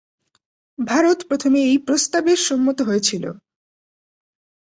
ভারত প্রথমে এই প্রস্তাবে সম্মত হয়েছিল।